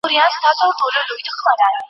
سياست د خلګو د آندونو استازيتوب کوي.